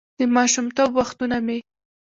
«د ماشومتوب وختونه مې: